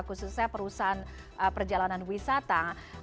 khususnya perusahaan perjalanan wisata